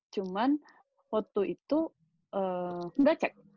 cuma waktu itu nggak cek